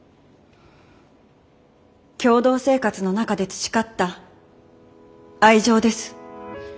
共同生活の中で培った愛情です。